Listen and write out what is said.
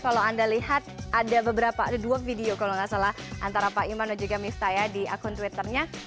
kalau anda lihat ada dua video kalau nggak salah antara pak iman dan juga miftah ya di akun twitternya